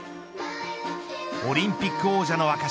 オリンピック王者の証